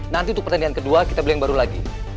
nanti untuk pertandingan kedua kita beli yang baru lagi